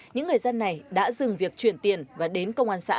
những người dân này đã dừng việc chuyển tiền và đến công an xã